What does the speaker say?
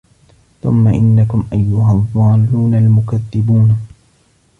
ثُمَّ إِنَّكُم أَيُّهَا الضّالّونَ المُكَذِّبونَ